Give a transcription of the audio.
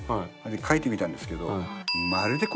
描いてみたんですけど。